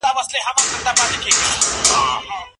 آیا هلک او نجلۍ په ثواب کي برابر دي؟